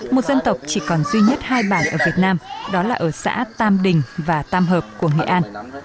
một dân tộc chỉ còn duy nhất hai bản ở việt nam đó là ở xã tam đình và tam hợp của nghệ an